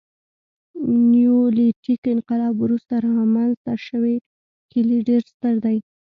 نیولیتیک انقلاب وروسته رامنځته شوي کلي ډېر ستر دي.